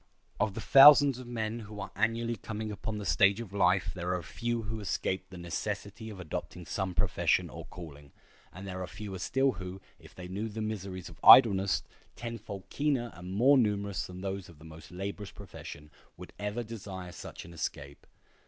Of the thousands of men who are annually coming upon the stage of life there are few who escape the necessity of adopting some profession or calling; and there are fewer still who, if they knew the miseries of idleness—tenfold keener and more numerous than those of the most laborious profession—would ever desire such an escape.